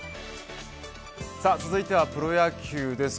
続いてはプロ野球です。